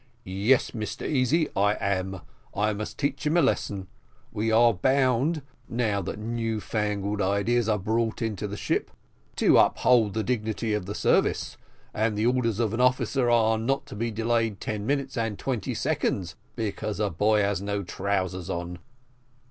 "Yes, Mr Easy, I am I must teach him a lesson. We are bound, now that newfangled ideas are brought into the ship, to uphold the dignity of the service; and the orders of an officer are not to be delayed ten minutes and twenty seconds because a boy has no trousers on."